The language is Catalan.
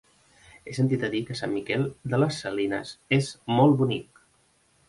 He sentit a dir que Sant Miquel de les Salines és molt bonic.